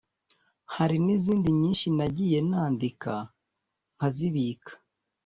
hari n’izindi nyinshi nagiye nandika nkazibika